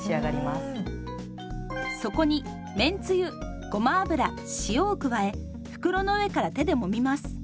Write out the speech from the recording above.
そこにめんつゆごま油塩を加え袋の上から手でもみます。